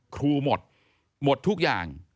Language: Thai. ครูหมดหมดทุกอย่าง